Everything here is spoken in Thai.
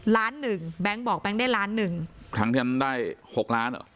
ล้านหนึ่งแบงค์บอกแบงค์ได้ล้านหนึ่งครั้งที่ฉันได้หกล้านเหรอ